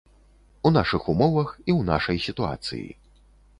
У нашых умовах і ў нашай сітуацыі.